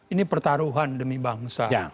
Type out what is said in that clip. ini pertaruhan demi bangsa